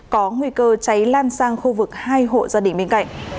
có nguy cơ cháy lan sang khu vực hai hộ gia đình bên cạnh